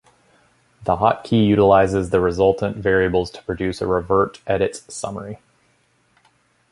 The hotkey utilizes the resultant variables to produce a revert edits summary.